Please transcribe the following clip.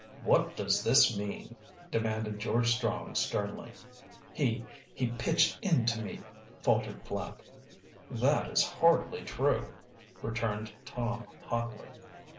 "What does this mean?" demanded George Strong sternly. "He he pitched into me," faltered Flapp. "That is hardly true," returned Tom hotly.